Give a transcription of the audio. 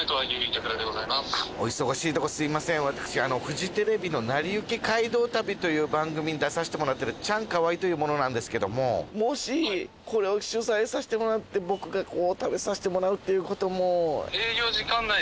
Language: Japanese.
フジテレビの『なりゆき街道旅』という番組に出させてもらってるチャンカワイという者なんですけどももしこれを取材させてもらって僕が食べさせてもらうっていうことも。